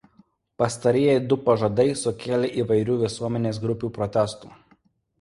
Pastarieji du pažadai sukėlė įvairių visuomenės grupių protestų.